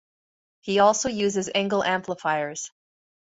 He also uses Engl amplifiers.